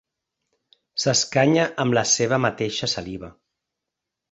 S'escanya amb la seva mateixa saliva.